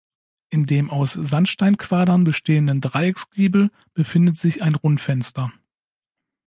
In dem aus Sandsteinquadern bestehenden Dreiecksgiebel befindet sich ein Rundfenster.